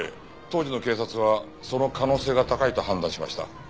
当時の警察はその可能性が高いと判断しました。